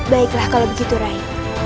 baiklah kalau begitu rai